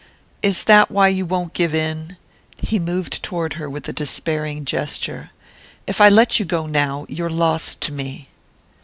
"Is that why you won't give in?" He moved toward her with a despairing gesture. "If I let you go now, you're lost to me!"